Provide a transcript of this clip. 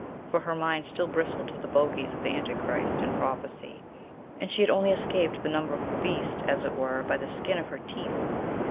For her mind still bristled with the bogeys of the Antichrist and Prophecy, and she had only escaped the Number of the Beast, as it were, by the skin of her teeth.